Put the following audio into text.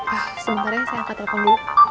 ah sebentar ya saya angkat telepon dulu